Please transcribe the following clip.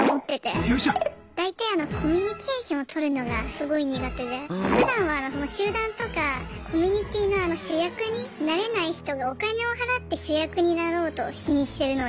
大体あのコミュニケーションを取るのがすごい苦手でふだんは集団とかコミュニティーの主役になれない人がお金を払って主役になろうとしに来てるので。